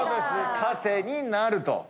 縦になると。